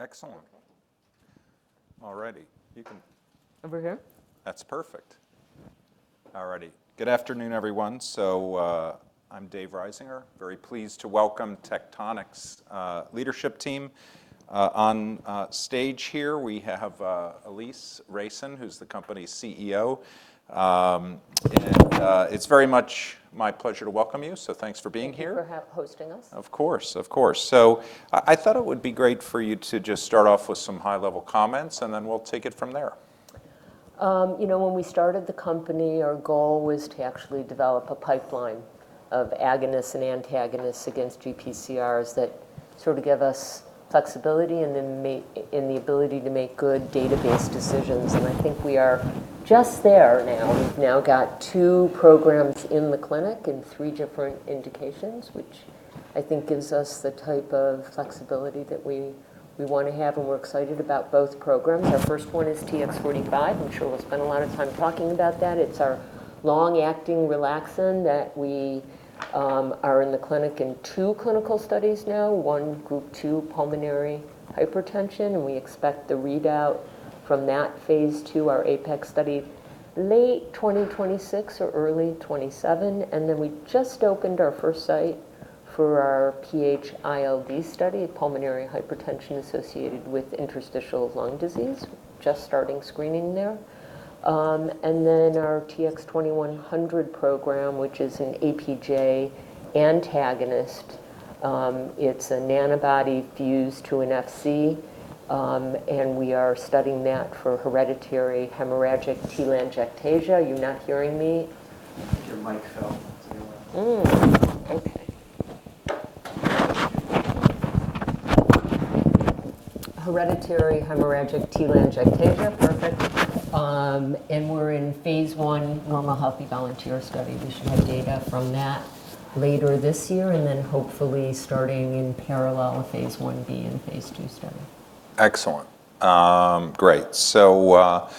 Excellent. All righty. Over here? That's perfect. All righty. Good afternoon, everyone. I'm David Risinger. Very pleased to welcome Tectonic's leadership team on stage here. We have Alise Reicin, who's the company's CEO. It's very much my pleasure to welcome you, so thanks for being here. Thank you for hosting us. Of course. I thought it would be great for you to just start off with some high-level comments, and then we'll take it from there. You know, when we started the company, our goal was to actually develop a pipeline of agonists and antagonists against GPCRs that sort of give us flexibility and the ability to make good database decisions, and I think we are just there now. We've now got two programs in the clinic in three different indications, which I think gives us the type of flexibility that we wanna have, and we're excited about both programs. Our first one is TX45. I'm sure we'll spend a lot of time talking about that. It's our long-acting relaxin that we are in the clinic in two clinical studies now, one Group 2 pulmonary hypertension, and we expect the readout from that Phase II, our APEX study, late 2026 or early 2027. We just opened our first site for our PH-ILD study, Pulmonary Hypertension Associated with Interstitial Lung Disease. Just starting screening there. Our TX2100 program, which is an APJ antagonist, it's a nanobody fused to an Fc, and we are studying that for Hereditary Hemorrhagic Telangiectasia. Are you not hearing me? I think your mic fell. It's anywhere. Hereditary Hemorrhagic Telangiectasia. Perfect. We're in Phase I normal healthy volunteer study. We should have data from that later this year, then hopefully starting in parallel a Phase Ia/Ib and Phase II study. Excellent. Great.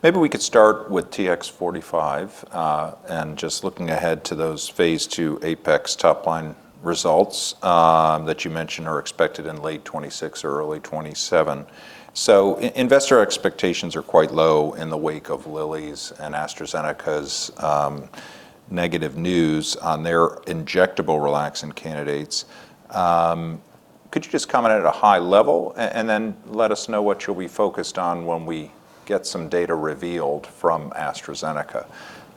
Maybe we could start with TX-45 and just looking ahead to those Phase II APEX top-line results that you mentioned are expected in late 2026 or early 2027. Investor expectations are quite low in the wake of Lilly's and AstraZeneca's negative news on their injectable relaxin candidates. Could you just comment at a high level and then let us know what you'll be focused on when we get some data revealed from AstraZeneca?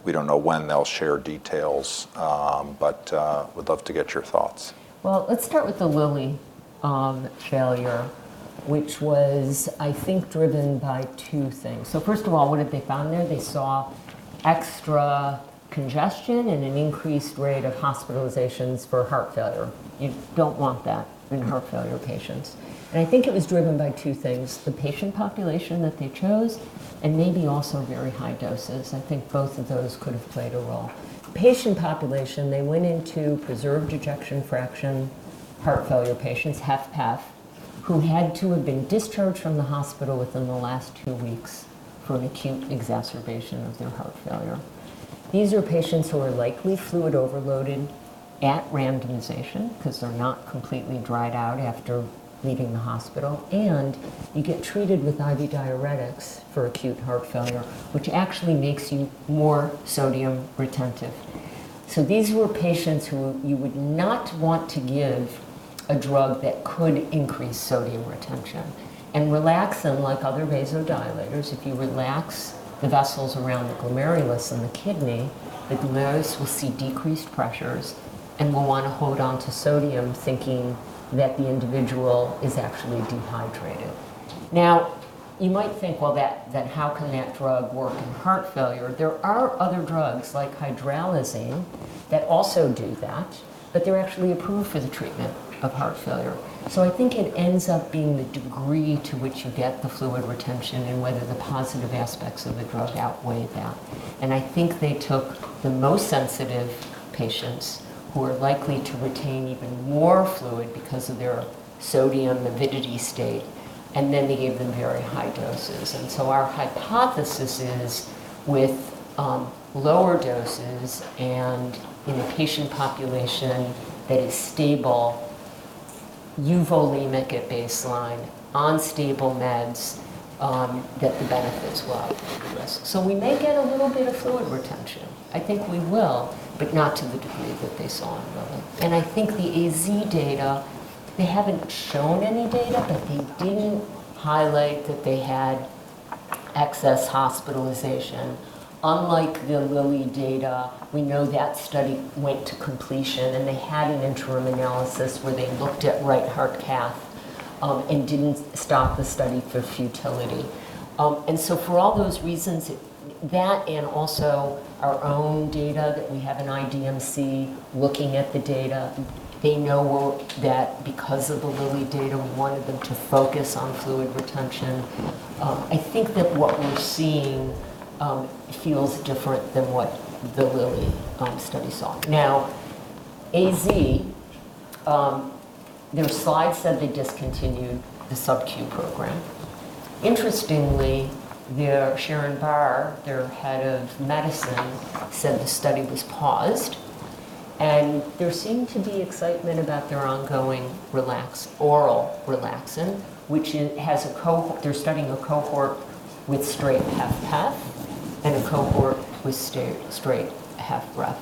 We don't know when they'll share details, but would love to get your thoughts. Well, let's start with the Lilly failure, which was, I think, driven by two things. First of all, what have they found there? They saw extra congestion and an increased rate of hospitalizations for heart failure. You don't want that in heart failure patients. I think it was driven by two things, the patient population that they chose and maybe also very high doses. I think both of those could have played a role. Patient population, they went into preserved ejection fraction heart failure patients, HFpEF, who had to have been discharged from the hospital within the last two weeks for an acute exacerbation of their heart failure. These are patients who are likely fluid overloaded at randomization 'cause they're not completely dried out after leaving the hospital, and you get treated with IV diuretics for acute heart failure, which actually makes you more sodium retentive. These were patients who you would not want to give a drug that could increase sodium retention and relax them like other vasodilators. If you relax the vessels around the glomerulus in the kidney, the glomerulus will see decreased pressures and will wanna hold on to sodium thinking that the individual is actually dehydrated. Now, you might think, well, that, then how can that drug work in heart failure? There are other drugs like hydralazine that also do that, but they're actually approved for the treatment of heart failure. I think it ends up being the degree to which you get the fluid retention and whether the positive aspects of the drug outweigh that. I think they took the most sensitive patients who are likely to retain even more fluid because of their sodium-avid state, and then they gave them very high doses. Our hypothesis is with lower doses and in a patient population that is stable, euvolemic at baseline, on stable meds, that the benefits will outweigh the risks. We may get a little bit of fluid retention. I think we will, but not to the degree that they saw in Lilly. I think the AZ data, they haven't shown any data, but they didn't highlight that they had excess hospitalization. Unlike the Lilly data, we know that study went to completion, and they had an interim analysis where they looked at right heart cath, and didn't stop the study for futility. For all those reasons, that and also our own data that we have in IDMC looking at the data, they know that because of the Lilly data, we wanted them to focus on fluid retention. I think that what we're seeing feels different than what the Lilly study saw. Now, AZ their slide said they discontinued the sub-Q program. Interestingly, Sharon Barr, their head of medicine, said the study was paused. There seemed to be excitement about their ongoing relaxin, oral relaxin. They're studying a cohort with straight HFpEF and a cohort with straight HFrEF.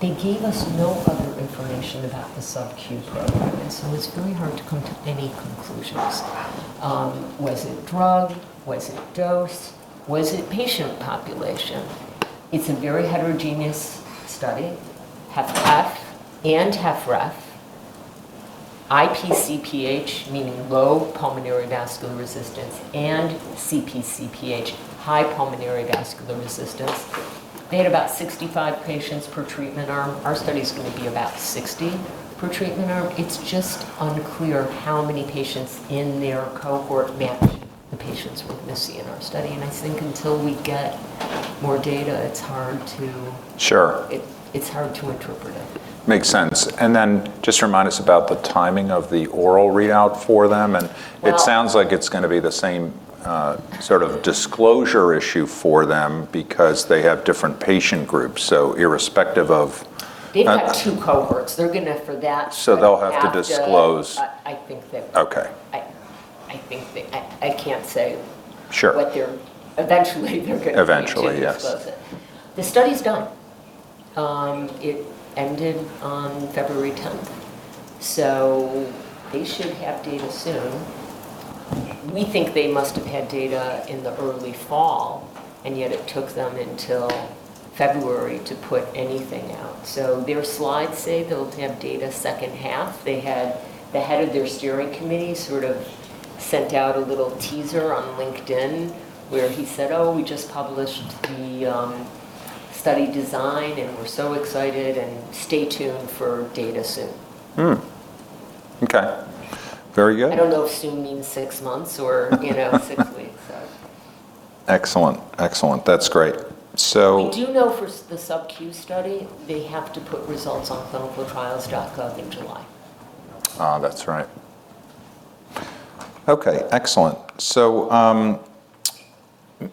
They gave us no other information about the sub-Q program, and so it's very hard to come to any conclusions. Was it drug? Was it dose? Was it patient population? It's a very heterogeneous study. HFpEF and HFrEF, IpcPH, meaning low pulmonary vascular resistance, and CpcPH, high pulmonary vascular resistance. They had about 65 patients per treatment arm. Our study's gonna be about 60 per treatment arm. It's just unclear how many patients in their cohort match the patients with Missy in our study. I think until we get more data, it's hard to. Sure. It's hard to interpret it. Makes sense. Just remind us about the timing of the oral readout for them and- Well- It sounds like it's gonna be the same, sort of disclosure issue for them because they have different patient groups. Irrespective of- They've got two cohorts. They'll have to disclose. I think they. Okay. I can't say. Sure. Eventually, they're gonna need to disclose it. Eventually, yes. The study's done. It ended on February 10th. They should have data soon. We think they must have had data in the early fall, and yet it took them until February to put anything out. Their slides say they'll have data second half. The head of their steering committee sort of sent out a little teaser on LinkedIn, where he said, "Oh, we just published the study design, and we're so excited, and stay tuned for data soon. Okay. Very good. I don't know if soon means six months or, you know, six weeks. So. Excellent. That's great. We do know for the subcu study, they have to put results on ClinicalTrials.gov in July. That's right. Okay, excellent.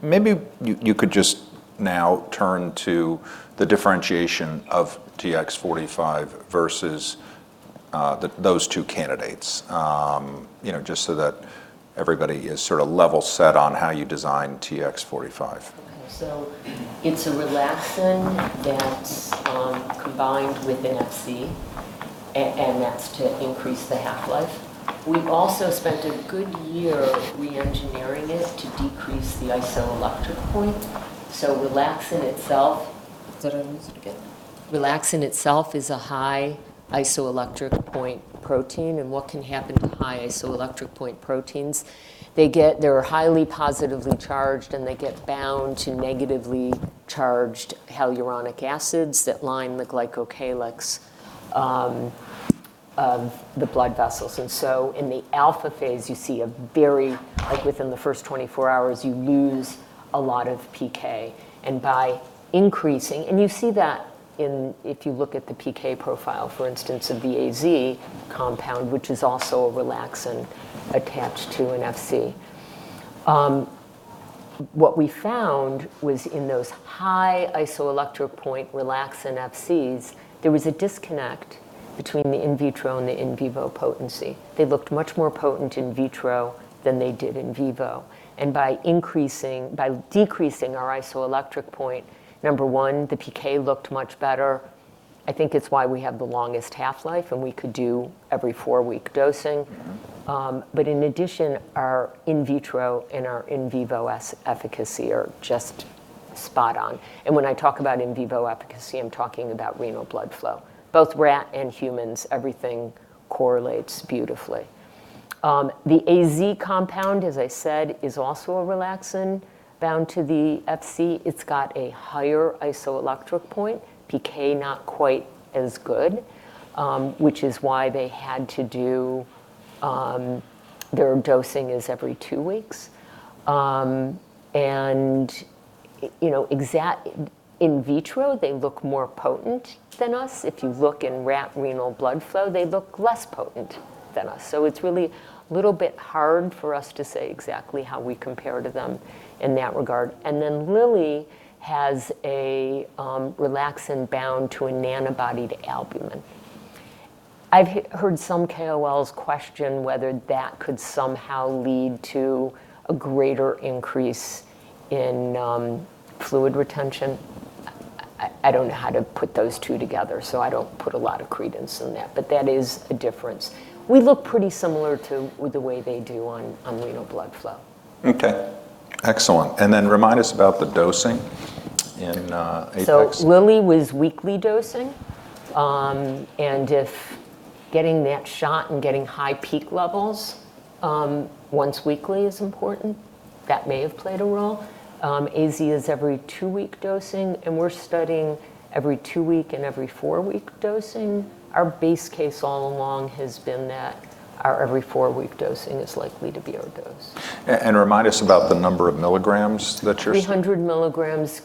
Maybe you could just now turn to the differentiation of TX45 versus those two candidates. You know, just so that everybody is sort of level set on how you design TX45. Okay. It's a relaxin that's combined with an Fc, and that's to increase the half-life. We've also spent a good year re-engineering it to decrease the isoelectric point. Relaxin itself. Did I lose it again? Relaxin itself is a high isoelectric point protein, and what can happen to high isoelectric point proteins, they're highly positively charged, and they get bound to negatively charged hyaluronic acids that line the glycocalyx of the blood vessels. In the alpha phase, you see. Like within the first 24 hours, you lose a lot of PK. By increasing. You see that in, if you look at the PK profile, for instance, of the AstraZeneca compound, which is also a relaxin attached to an Fc. What we found was in those high isoelectric point relaxin Fcs, there was a disconnect between the in vitro and the in vivo potency. They looked much more potent in vitro than they did in vivo. By decreasing our isoelectric point, number one, the PK looked much better. I think it's why we have the longest half-life, and we could do every four-week dosing. Mm-hmm. In addition, our in vitro and our in vivo efficacy are just spot on. When I talk about in vivo efficacy, I'm talking about renal blood flow. Both rat and humans, everything correlates beautifully. The AZ compound, as I said, is also a relaxin bound to the Fc. It's got a higher isoelectric point, PK not quite as good, which is why they had to do their dosing is every two weeks. You know, in vitro, they look more potent than us. If you look in rat renal blood flow, they look less potent than us. It's really a little bit hard for us to say exactly how we compare to them in that regard. Then Lilly has a relaxin bound to a nanobody-albumin. I've heard some KOLs question whether that could somehow lead to a greater increase in, fluid retention. I don't know how to put those two together, so I don't put a lot of credence in that. That is a difference. We look pretty similar to, with the way they do on renal blood flow. Okay. Excellent. Remind us about the dosing in APEX. Lilly was weekly dosing. If getting that shot and getting high peak levels, once weekly is important, that may have played a role. AZ is every two-week dosing, and we're studying every two-week and every four-week dosing. Our base case all along has been that our every four-week dosing is likely to be our dose. Remind us about the number of milligrams that you're 300 mg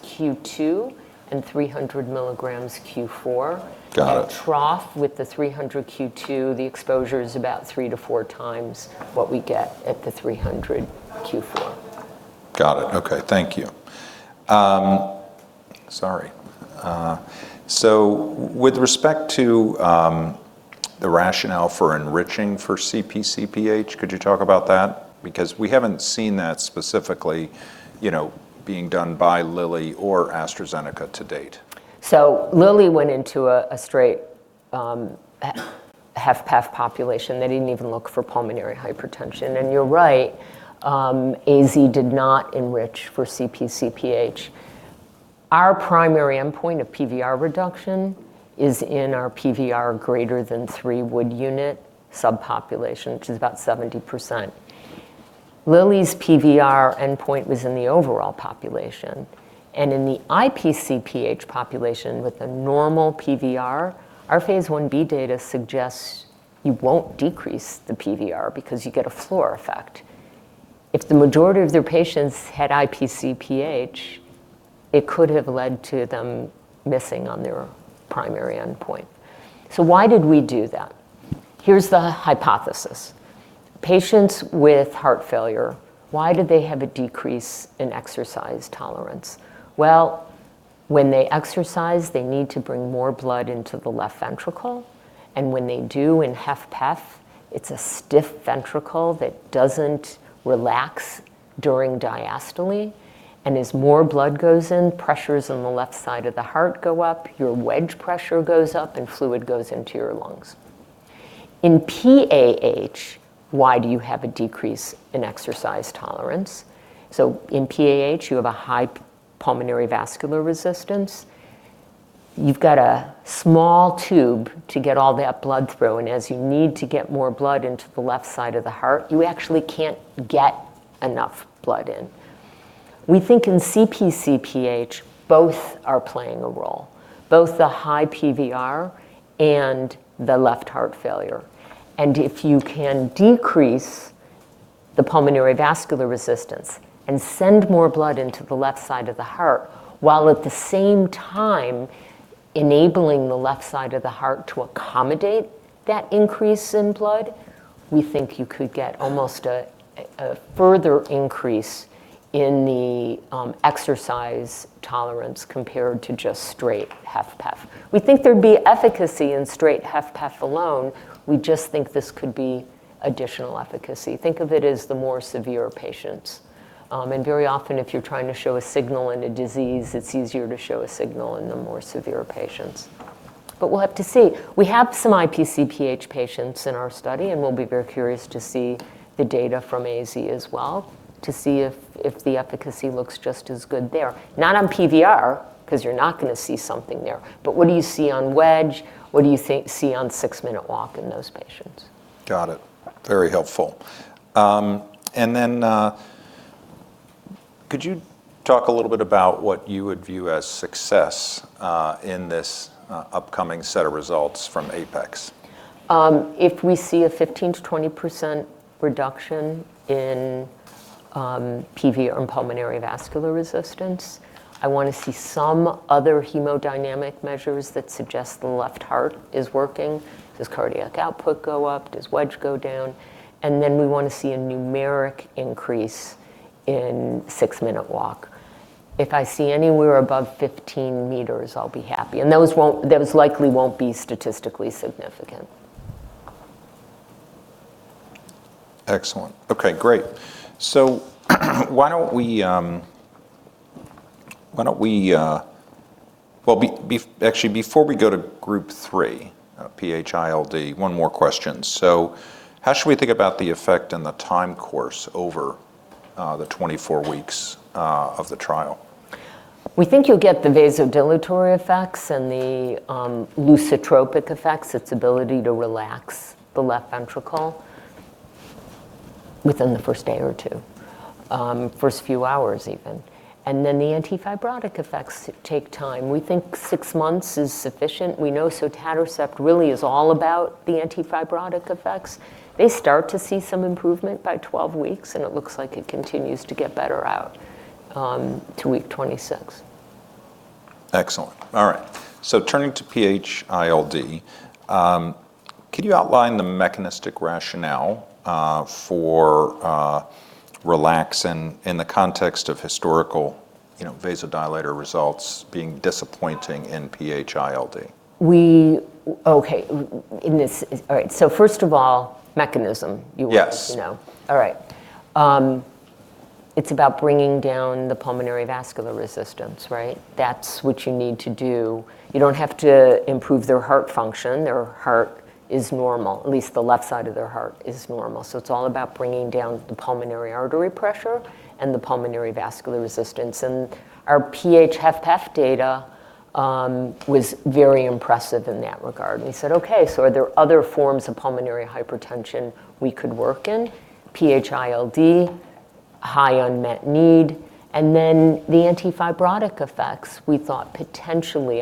Q2 and 300 mg Q4. Got it. At trough with the 300 Q2, the exposure is about 3-4x what we get at the 300 Q4. Got it. Okay. Thank you. Sorry. With respect to the rationale for enriching for CpcPH, could you talk about that? Because we haven't seen that specifically, you know, being done by Lilly or AstraZeneca to date. Lilly went into a straight HFpEF population. They didn't even look for pulmonary hypertension. You're right, AZ did not enrich for CpcPH. Our primary endpoint of PVR reduction is in our PVR greater than 3 Wood unit subpopulation, which is about 70%. Lilly's PVR endpoint was in the overall population, and in the IpcPH population with a normal PVR, our Phase Ib data suggests you won't decrease the PVR because you get a floor effect. If the majority of their patients had IpcPH, it could have led to them missing on their primary endpoint. Why did we do that? Here's the hypothesis. Patients with heart failure, why do they have a decrease in exercise tolerance? Well, when they exercise, they need to bring more blood into the left ventricle, and when they do in HFpEF, it's a stiff ventricle that doesn't relax during diastole, and as more blood goes in, pressures on the left side of the heart go up, your wedge pressure goes up, and fluid goes into your lungs. In PAH, why do you have a decrease in exercise tolerance? In PAH, you have a high pulmonary vascular resistance. You've got a small tube to get all that blood through, and as you need to get more blood into the left side of the heart, you actually can't get enough blood in. We think in CpcPH, both are playing a role, both the high PVR and the left heart failure. If you can decrease the pulmonary vascular resistance and send more blood into the left side of the heart, while at the same time enabling the left side of the heart to accommodate that increase in blood, we think you could get almost a further increase in the exercise tolerance compared to just straight HFpEF. We think there'd be efficacy in straight HFpEF alone. We just think this could be additional efficacy. Think of it as the more severe patients. Very often if you're trying to show a signal in a disease, it's easier to show a signal in the more severe patients. We'll have to see. We have some IpcPH patients in our study, and we'll be very curious to see the data from AZ as well to see if the efficacy looks just as good there. Not on PVR, 'cause you're not gonna see something there. What do you see on wedge? What do you see on six-minute walk in those patients? Got it. Very helpful. Could you talk a little bit about what you would view as success in this upcoming set of results from APEX? If we see a 15%-20% reduction in PVR or pulmonary vascular resistance, I wanna see some other hemodynamic measures that suggest the left heart is working. Does cardiac output go up? Does wedge go down? Then we wanna see a numeric increase in six-minute walk. If I see anywhere above 15 meters, I'll be happy, and those likely won't be statistically significant. Excellent. Okay, great. Well, actually, before we go to Group 3 PH-ILD, one more question. How should we think about the effect and the time course over the 24 weeks of the trial? We think you'll get the vasodilatory effects and the lusitropic effects, its ability to relax the left ventricle within the first day or two, first few hours even. Then the antifibrotic effects take time. We think six months is sufficient. We know sotatercept really is all about the antifibrotic effects. They start to see some improvement by 12 weeks, and it looks like it continues to get better out to week 26. Excellent. All right. Turning to PH-ILD, can you outline the mechanistic rationale, for, relaxin in the context of historical, you know, vasodilator results being disappointing in PH-ILD? First of all, mechanism you want to know. Yes. All right. It's about bringing down the pulmonary vascular resistance, right? That's what you need to do. You don't have to improve their heart function. Their heart is normal, at least the left side of their heart is normal. It's all about bringing down the pulmonary artery pressure and the pulmonary vascular resistance. Our PH HFpEF data was very impressive in that regard. We said, "Okay, so are there other forms of pulmonary hypertension we could work in? PH-ILD, high unmet need." Then the antifibrotic effects, we thought potentially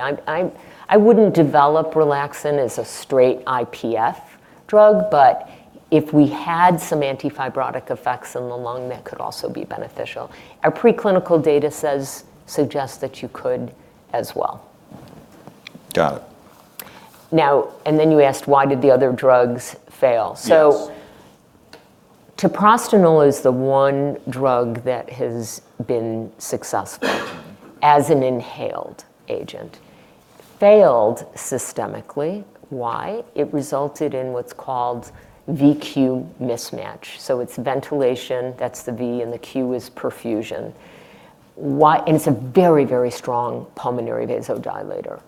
I wouldn't develop relaxin as a straight IPF drug, but if we had some antifibrotic effects in the lung, that could also be beneficial. Our preclinical data suggests that you could as well. Got it. Now, you asked why did the other drugs fail. Yes. treprostinil is the one drug that has been successful as an inhaled agent. Failed systemically. Why? It resulted in what's called V/Q mismatch. It's ventilation, that's the V, and the Q is perfusion. It's a very, very strong pulmonary vasodilator.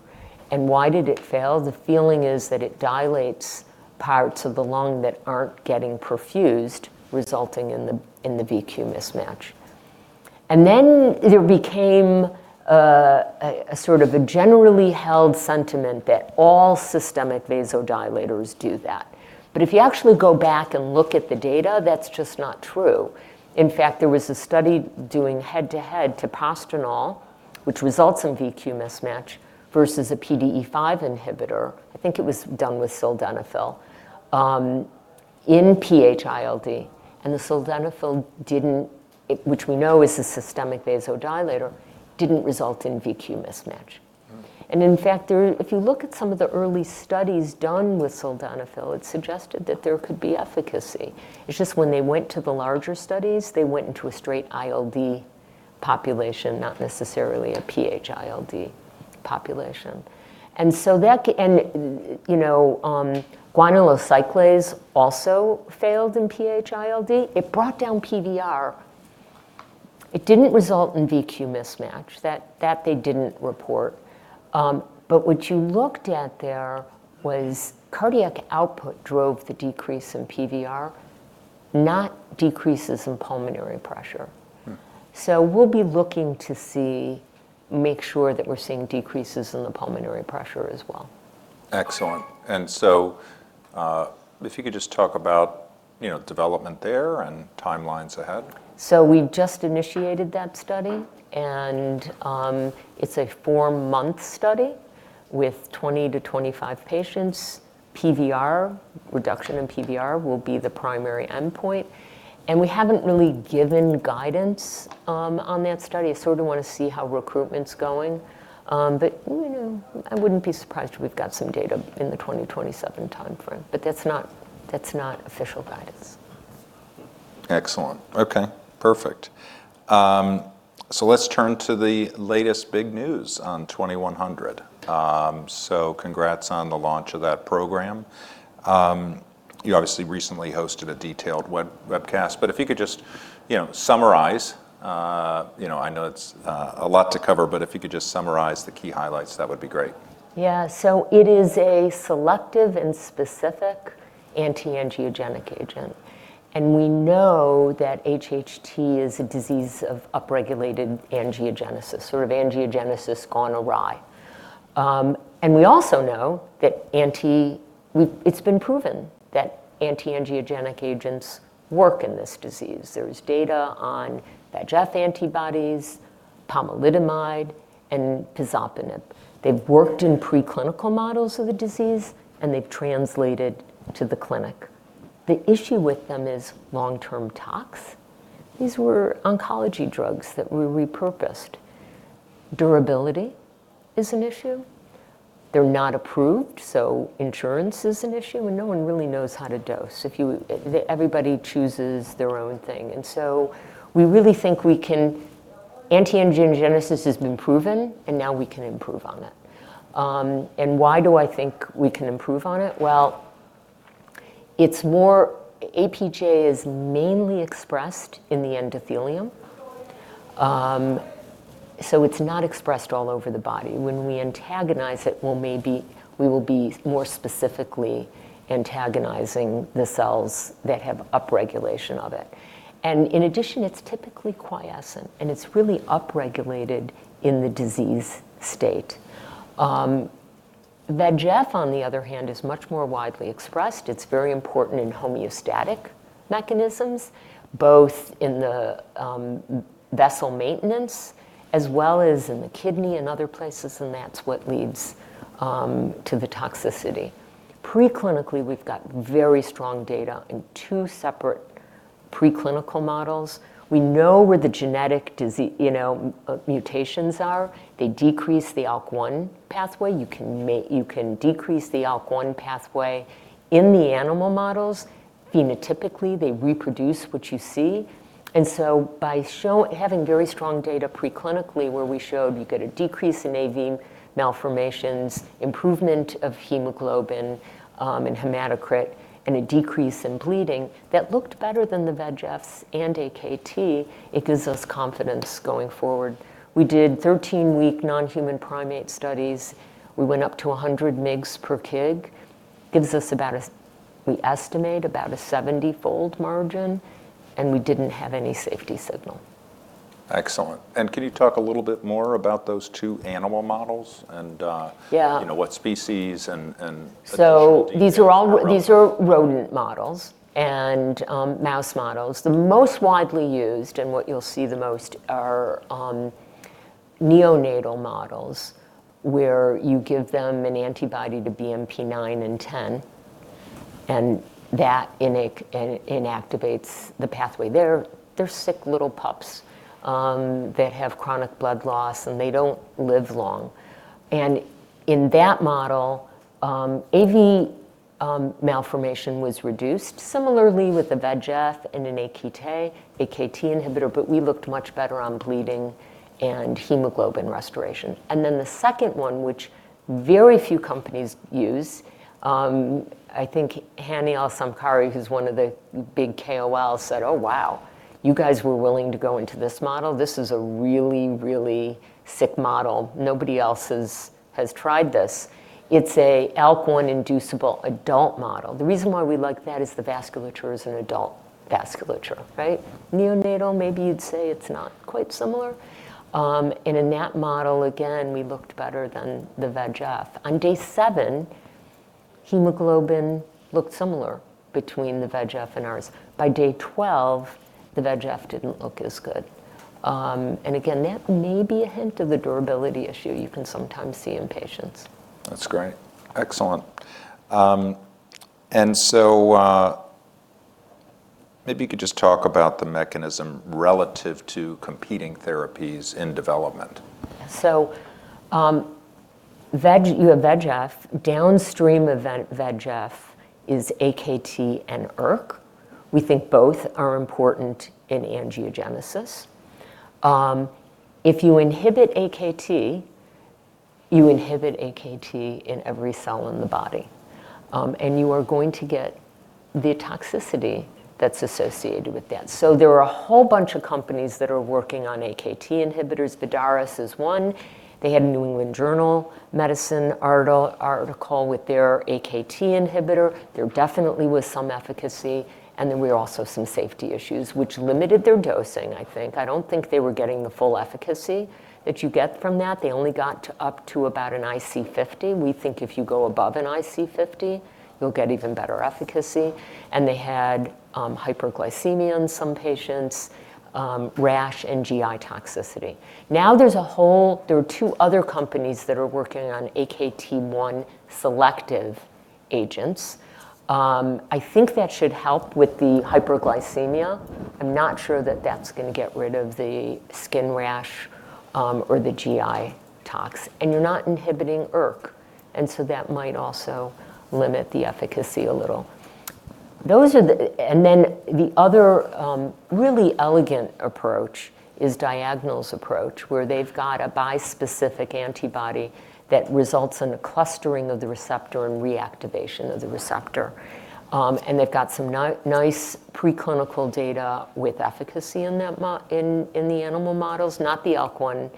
Why did it fail? The feeling is that it dilates parts of the lung that aren't getting perfused, resulting in the V/Q mismatch. Then it became sort of a generally held sentiment that all systemic vasodilators do that. If you actually go back and look at the data, that's just not true. In fact, there was a study doing head-to-head treprostinil, which results in V/Q mismatch, versus a PDE5 inhibitor, I think it was done with sildenafil, in PH-ILD. The sildenafil didn't, which we know is a systemic vasodilator, didn't result in V/Q mismatch. Oh. In fact, if you look at some of the early studies done with sildenafil, it suggested that there could be efficacy. It's just when they went to the larger studies, they went into a straight ILD population, not necessarily a PH-ILD population. You know, guanylate cyclase also failed in PH-ILD. It brought down PVR. It didn't result in V/Q mismatch. That they didn't report. But what you looked at there was cardiac output drove the decrease in PVR, not decreases in pulmonary pressure. Mm-hmm. We'll be looking to see make sure that we're seeing decreases in the pulmonary pressure as well. Excellent. If you could just talk about, you know, development there and timelines ahead. We just initiated that study, and it's a four-month study with 20-25 patients. PVR reduction in PVR will be the primary endpoint, and we haven't really given guidance on that study. I sort of wanna see how recruitment's going. You know, I wouldn't be surprised if we've got some data in the 2027 timeframe, but that's not official guidance. Excellent. Okay, perfect. Let's turn to the latest big news on TX2100. Congrats on the launch of that program. You obviously recently hosted a detailed webcast, but if you could just, you know, summarize. You know, I know it's a lot to cover, but if you could just summarize the key highlights, that would be great. Yeah. It is a selective and specific anti-angiogenic agent, and we know that HHT is a disease of upregulated angiogenesis, sort of angiogenesis gone awry. We also know that it's been proven that anti-angiogenic agents work in this disease. There's data on VEGF antibodies, pomalidomide, and pazopanib. They've worked in preclinical models of the disease, and they've translated to the clinic. The issue with them is long-term tox. These were oncology drugs that were repurposed. Durability is an issue. They're not approved, so insurance is an issue, and no one really knows how to dose. Everybody chooses their own thing. Anti-angiogenesis has been proven, and now we can improve on it. Why do I think we can improve on it? Well, it's more. APJ is mainly expressed in the endothelium, so it's not expressed all over the body. When we antagonize it, well maybe we will be more specifically antagonizing the cells that have upregulation of it. In addition, it's typically quiescent, and it's really upregulated in the disease state. VEGF, on the other hand, is much more widely expressed. It's very important in homeostatic mechanisms, both in the vessel maintenance as well as in the kidney and other places, and that's what leads to the toxicity. Preclinically, we've got very strong data in two separate preclinical models. We know where the genetic disease, you know, mutations are. They decrease the ALK1 pathway. You can decrease the ALK1 pathway in the animal models. Phenotypically, they reproduce what you see. Having very strong data preclinically, where we showed you get a decrease in AV malformations, improvement of hemoglobin, and hematocrit, and a decrease in bleeding that looked better than the VEGFs and AKT, it gives us confidence going forward. We did 13-week non-human primate studies. We went up to 100 mg per kg, gives us about a, we estimate about a 70-fold margin, and we didn't have any safety signal. Excellent. Can you talk a little bit more about those two animal models and? Yeah You know, what species and additionally. These are rodent models and mouse models. The most widely used, and what you'll see the most, are neonatal models, where you give them an antibody to BMP9 and BMP10 and that inactivates the pathway. They're sick little pups that have chronic blood loss, and they don't live long. In that model, AV malformation was reduced similarly with anti-VEGF and an AKT inhibitor, but we looked much better on bleeding and hemoglobin restoration. Then the second one, which very few companies use, I think Hanny Al-Samkari, who's one of the big KOLs, said, "Oh, wow. You guys were willing to go into this model? This is a really, really sick model. Nobody else has tried this." It's a ALK1-inducible adult model. The reason why we like that is the vasculature is an adult vasculature, right? Neonatal, maybe you'd say it's not quite similar. In that model again, we looked better than the VEGF. On day seven, hemoglobin looked similar between the VEGF and ours. By day 12, the VEGF didn't look as good. Again, that may be a hint of the durability issue you can sometimes see in patients. That's great. Excellent. Maybe you could just talk about the mechanism relative to competing therapies in development. you have VEGF. Downstream of VEGF is AKT and ERK. We think both are important in angiogenesis. If you inhibit AKT, you inhibit AKT in every cell in the body, and you are going to get the toxicity that's associated with that. There are a whole bunch of companies that are working on AKT inhibitors. VidarIs is one. They had a The New England Journal of Medicine article with their AKT inhibitor. There definitely was some efficacy, and there were also some safety issues which limited their dosing, I think. I don't think they were getting the full efficacy that you get from that. They only got to up to about an IC50. We think if you go above an IC50, you'll get even better efficacy, and they had hyperglycemia in some patients, rash and GI toxicity. Now, there's a whole There are two other companies that are working on AKT1 selective agents. I think that should help with the hyperglycemia. I'm not sure that that's gonna get rid of the skin rash, or the GI tox, and you're not inhibiting ERK, and so that might also limit the efficacy a little. The other really elegant approach is Diagonal's approach, where they've got a bispecific antibody that results in a clustering of the receptor and reactivation of the receptor. They've got some nice preclinical data with efficacy in that in the animal models, not the ALK1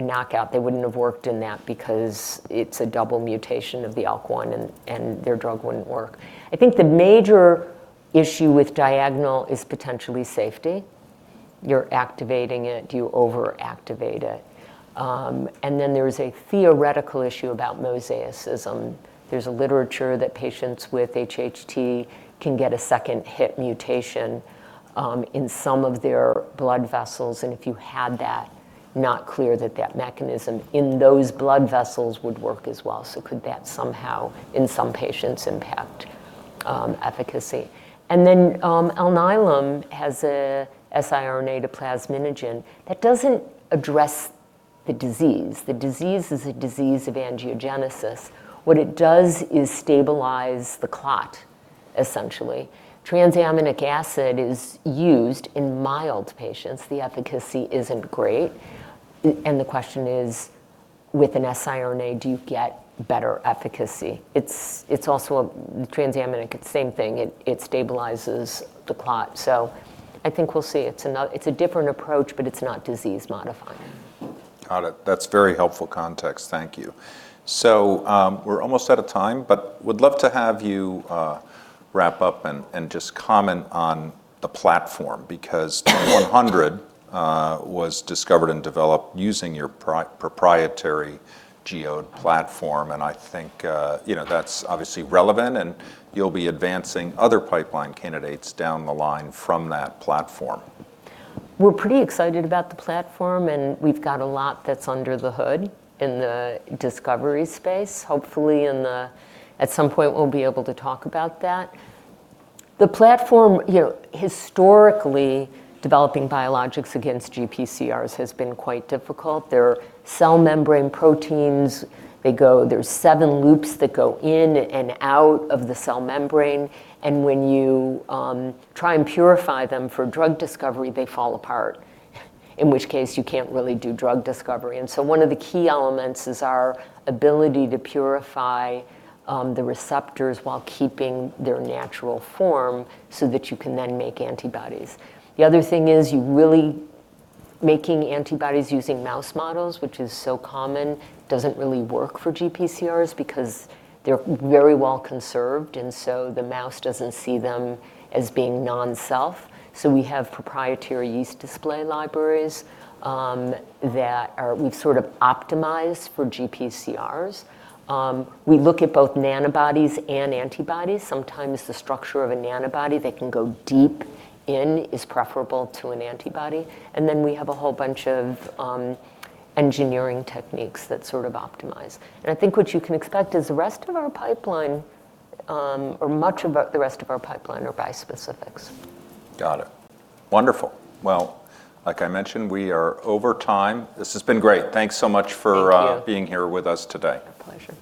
knockout. They wouldn't have worked in that because it's a double mutation of the ALK1 and their drug wouldn't work. I think the major issue with Diagonal is potentially safety. You're activating it. Do you overactivate it? There is a theoretical issue about mosaicism. There's a literature that patients with HHT can get a second hit mutation in some of their blood vessels, and if you had that, not clear that that mechanism in those blood vessels would work as well, so could that somehow in some patients impact efficacy? Alnylam has a siRNA to plasminogen that doesn't address the disease. The disease is a disease of angiogenesis. What it does is stabilize the clot, essentially. Tranexamic acid is used in mild patients. The efficacy isn't great. The question is, with an siRNA, do you get better efficacy? It's also tranexamic, it's the same thing. It stabilizes the clot. I think we'll see. It's a different approach, but it's not disease modifying. Got it. That's very helpful context. Thank you. We're almost out of time, but would love to have you wrap up and just comment on the platform because 100 was discovered and developed using your proprietary GEODe platform and I think you know, that's obviously relevant and you'll be advancing other pipeline candidates down the line from that platform. We're pretty excited about the platform, and we've got a lot that's under the hood in the discovery space. Hopefully at some point we'll be able to talk about that. The platform, you know, historically, developing biologics against GPCRs has been quite difficult. They're cell membrane proteins. They're seven loops that go in and out of the cell membrane, and when you try and purify them for drug discovery, they fall apart, in which case you can't really do drug discovery. One of the key elements is our ability to purify the receptors while keeping their natural form so that you can then make antibodies. The other thing is making antibodies using mouse models, which is so common, doesn't really work for GPCRs because they're very well conserved, and so the mouse doesn't see them as being non-self. We have proprietary yeast display libraries that we've sort of optimized for GPCRs. We look at both nanobodies and antibodies. Sometimes the structure of a nanobody that can go deep in is preferable to an antibody. Then we have a whole bunch of engineering techniques that sort of optimize. I think what you can expect is the rest of our pipeline or much of the rest of our pipeline are bispecifics. Got it. Wonderful. Well, like I mentioned, we are over time. This has been great. Thanks so much for. Thank you. being here with us today. My pleasure.